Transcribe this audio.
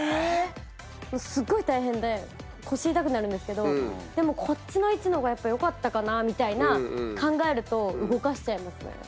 すっごい大変で腰痛くなるんですけどでもこっちの位置の方がやっぱ良かったかなみたいな考えると動かしちゃいますね。